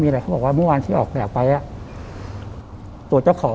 มีอะไรเขาบอกว่าวันที่ออกแล้วไปอ่ะตัวเจ้าของ